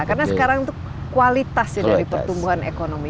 karena sekarang itu kualitasnya dari pertumbuhan ekonomi